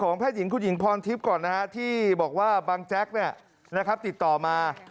นะครับติดต่อมา